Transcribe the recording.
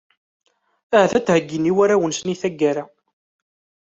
Ahat ad ten-heyyin i warraw-nsen, i tagara.